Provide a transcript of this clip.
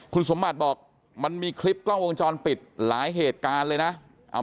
คุณสมบัติบอกมันมีคลิปกล้องวงจรปิดหลายเหตุการณ์เลยนะ